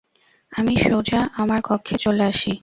আমি সোজা আমার কক্ষে চলে আসি।